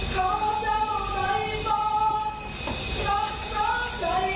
ใจจันไตตัยกันไกล